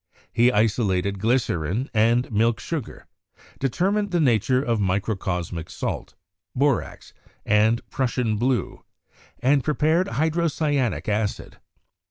He isolated glycerin and milk sugar; determined the nature of microcosmic salt, borax, and 'Prussian blue,' and prepared hydrocyanic acid.